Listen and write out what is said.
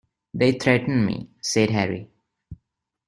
"They threaten me," said Harry.